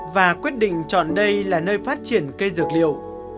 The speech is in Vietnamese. và quyết định chọn đây là nơi phát triển cây dược liệu